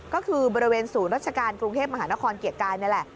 ก็คือบริเวณศูนย์ราชการกรุงเทพมหานครเกียรติกายนี่แหละ